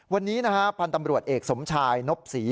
วันนี้นะฮะพันธ์ตำรวจเอกสมชายนบศรี